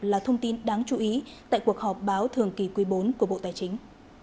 là thông tin đáng chú ý tại cuộc họp báo thường kỳ quý bốn của bộ tài chính